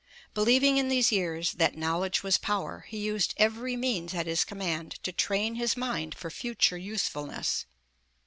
Be lieving in these years ''that knowledge was power," he used every means at his command to train his mind for future usefulness.